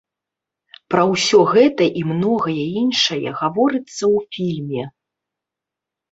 Пра ўсё гэта і многае іншае гаворыцца ў фільме.